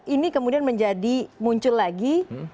ini kemudian menjadi muncul lagi